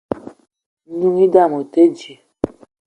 N'noung i dame o te dji.